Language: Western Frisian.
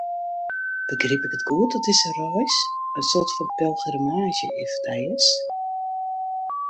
Begryp ik it goed dat dizze reis in soarte fan pelgrimaazje foar dy is?